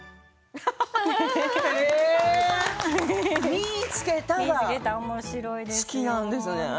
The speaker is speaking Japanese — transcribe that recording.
「みいつけた！」が好きなんですね。